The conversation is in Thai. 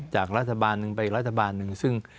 จากรัฐบาลหนึ่งไปอีกรัฐบาลหนึ่งซึ่ง